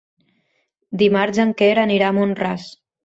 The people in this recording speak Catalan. Dimarts en Quer anirà a Mont-ras.